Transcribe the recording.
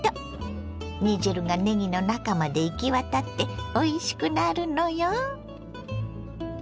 煮汁がねぎの中まで行き渡っておいしくなるのよ！